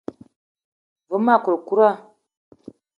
Ve ma kourkoura.